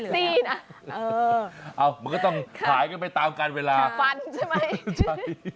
ฟันก็ไม่เหลือเออฟันใช่ไหมใช่